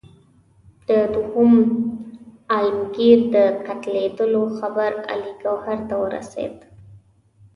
د دوهم عالمګیر د قتلېدلو خبر علي ګوهر ته ورسېد.